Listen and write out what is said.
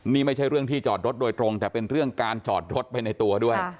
นี่ไม่ใช่เรื่องที่จอดรถโดยตรงแต่เป็นเรื่องการจอดรถไปในตัวด้วย